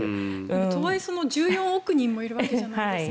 とはいえ１４億人もいるわけじゃないですか。